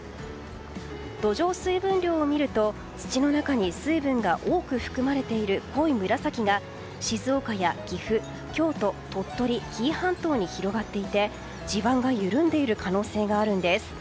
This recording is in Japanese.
土壌水分量を見ると土の中に水分が多く含まれている濃い紫が静岡や岐阜京都、鳥取紀伊半島に広がっていて地盤が緩んでいる可能性があるんです。